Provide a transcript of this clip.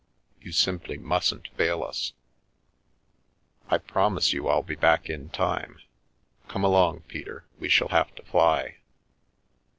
You simply mustn't fail us." " I promise you I'll be back in time. Come along, Peter, we shall have to fly."